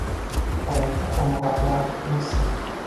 Birinchisi qoʻngʻiroqlar, ikkinchisi